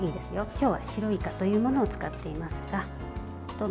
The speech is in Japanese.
今日は白いいかというものを使っていますが。